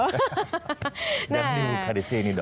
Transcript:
jangan dihukar di sini dong